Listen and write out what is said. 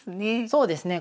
そうですね。